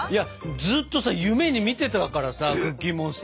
ずっとさ夢に見てたからさクッキーモンスター。